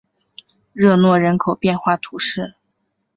热诺人口变化图示